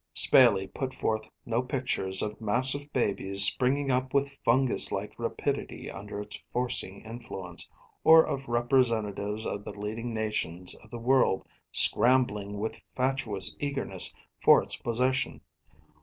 Spayley put forth no pictures of massive babies springing up with fungus like rapidity under its forcing influence, or of representatives of the leading nations of the world scrambling with fatuous eagerness for its possession.